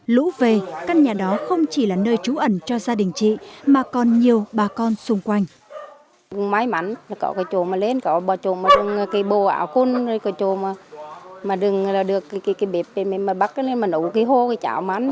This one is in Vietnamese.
lũ về căn nhà đó không chỉ là nơi trú ẩn cho gia đình chị mà còn nhiều bà con xung quanh